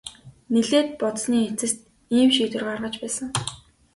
Нэлээд бодсоны эцэст ийм шийдвэр гаргаж байсан.